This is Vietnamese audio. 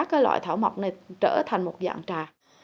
chế biến các loài thảo mộc này trở thành một dạng trà